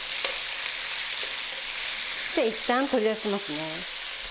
でいったん取り出しますね。